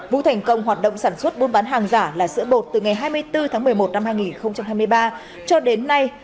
vũ thành công hoạt động sản xuất buôn bán hàng giả là sữa bột từ ngày hai mươi bốn tháng một mươi một năm hai nghìn hai mươi ba cho đến nay